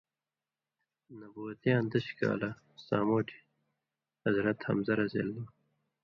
نبوتیاں ݜویؤں کال، سامٹَھیں حضرت حمزہ رض